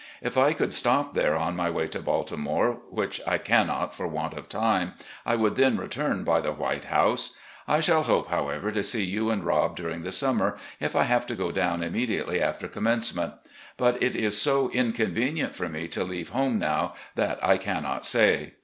If I could stop there on my way to Baltimore, which I cannot for want of time, I would then return by the 'White House. ' I shall hope, however, to see you and Rob during the summer, if I have to go down immediately after commencement. But it is so inconvenient for me to leave home now that I cannot say.